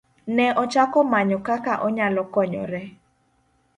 Ne ochako manyo kaka onyalo konyore.